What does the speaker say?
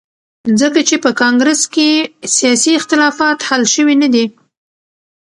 ځکه چې په کانګرس کې سیاسي اختلافات حل شوي ندي.